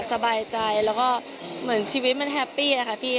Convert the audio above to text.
สบายใจแล้วก็เหมือนชีวิตมันแฮปปี้อะค่ะพี่